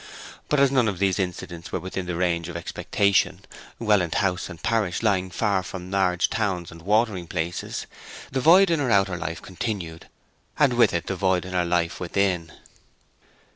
But as none of these incidents were within the range of expectation Welland House and parish lying far from large towns and watering places the void in her outer life continued, and with it the void in her life within.